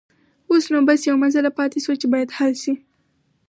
اوس نو بس يوه مسله پاتې شوه چې بايد حل شي.